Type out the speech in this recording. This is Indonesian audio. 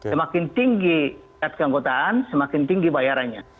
semakin tinggi tingkat keanggotaan semakin tinggi bayarannya